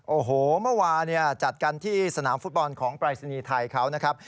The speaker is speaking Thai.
โอ้โหเมื่อวานจัดกันที่สนามฟุตบอลของปรายศนีย์ไทยเขานะครับ